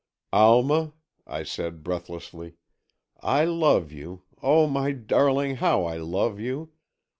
"Alma," I said, breathlessly, "I love you—oh, my darling, how I love you!